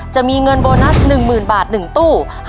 จะมีเงินโบนัส๑๐๐๐บาท๑ตู้